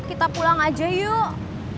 kita pulang aja yuk